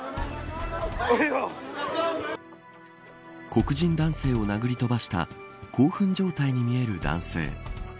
黒人男性を殴り飛ばした興奮状態に見える男性。